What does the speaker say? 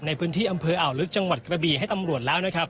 ในพื้นที่อำเภออ่าวลึกจังหวัดกระบีให้ตำรวจแล้วนะครับ